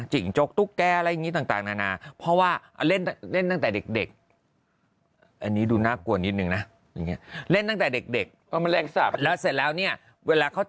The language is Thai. จิ้งจกตุ๊กแก่อะไรอย่างนี้ต่างนาน